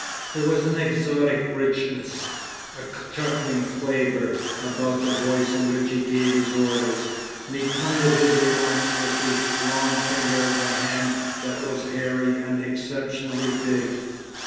There was an exotic richness, a chuckling flavour, about the voice in which he gave his orders, and he pointed his remarks with the long finger of a hand that was hairy and exceptionally big.